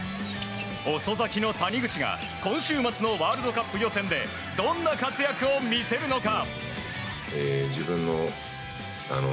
遅咲きの谷口が今週末のワールドカップ予選でどんな活躍を見せるのか。